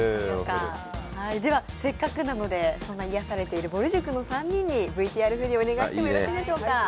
せっかくなので、癒やされているぼる塾の３人にＶＴＲふりお願いしてもよろしいでしょうか。